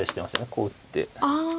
こう打って。